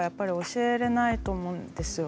教えれないと思うんですよ。